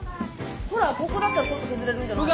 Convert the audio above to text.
ほらここだったらちょっと削れるんじゃない？